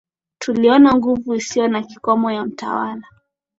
tuliona nguvu isiyo na kikomo ya mtawala